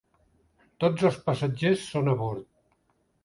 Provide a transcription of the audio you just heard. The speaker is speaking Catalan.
Tots els passatgers són a bord.